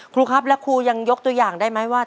ครูครับและครูยังยกตัวอย่างได้ไหมว่า